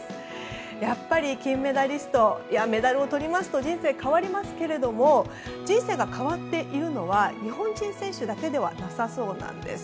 やっぱり金メダリストメダルをとりますと人生変わりますけれども人生が変わっているのは日本人選手だけではなさそうです。